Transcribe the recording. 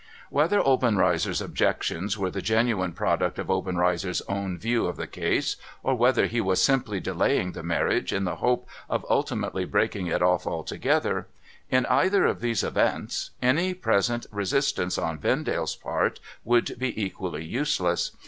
Whether Obenreizer's objections were the genuine product of Obenreizer's own view of the case, or whether he was simply delaying the marriage in the hope of ultimately breaking it off alto gether— in either of these events, any present resistance on Vendale's part would be equally useless.